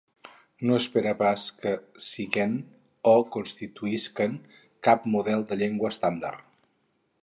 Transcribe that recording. No espere pas que siguen o constituïsquen cap model de llengua estàndard.